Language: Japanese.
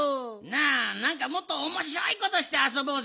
なあなんかもっとおもしろいことしてあそぼうぜ！